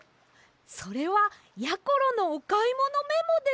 それはやころのおかいものメモです！